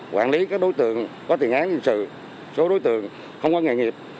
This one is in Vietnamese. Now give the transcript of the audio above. quản lý các đối tượng có tiền án hình sự số đối tượng không có nghề nghiệp